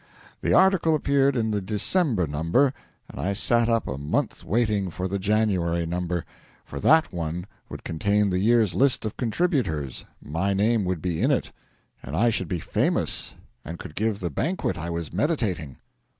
The article appeared in the December number, and I sat up a month waiting for the January number; for that one would contain the year's list of contributors, my name would be in it, and I should be famous and could give the banquet I was meditating.